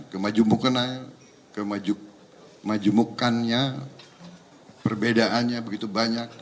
perbedaannya kemajumukannya perbedaannya begitu banyak